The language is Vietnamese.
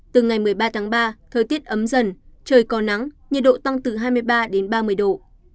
từ ngày một mươi ba tháng ba thời tiết ấm dần trời có nắng nhiệt độ tăng từ hai mươi ba đến ba mươi độ